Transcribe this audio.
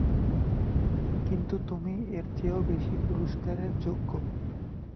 কিন্তু তুমি এর চেয়েও বেশি পুরস্কারের যোগ্য।